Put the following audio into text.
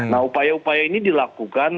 nah upaya upaya ini dilakukan